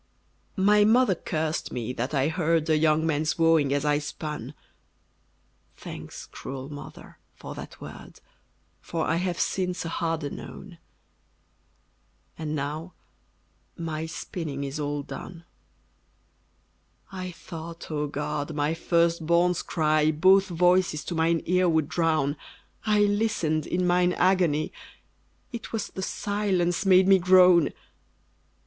My mother cursed me that I heard A young man's wooing as I spun: Thanks, cruel mother, for that word, For I have, since, a harder known! And now my spinning is all done. I thought, O God! my first born's cry Both voices to mine ear would drown: I listened in mine agony, It was the silence made me groan!